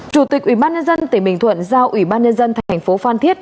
chủ tịch ủy ban nhân dân tỉnh bình thuận giao ủy ban nhân dân thành phố phan thiết